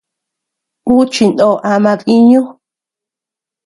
Uu chinó ama diiñu.